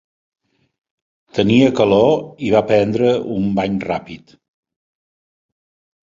Tenia calor i va prendre un bany ràpid.